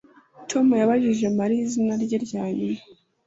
Tom yabajije Mariya izina rye ryanyuma